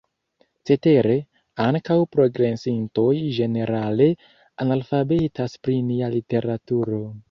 Cetere, ankaŭ progresintoj ĝenerale analfabetas pri nia literaturo.